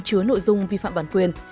chứa nội dung vi phạm bản quyền